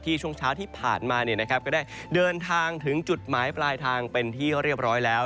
ที่ช่วงเช้าที่ผ่านมาเนี่ยนะครับก็ได้เดินทางถึงจุดหมายปลายทางเป็นที่เขาเรียบร้อยแล้ว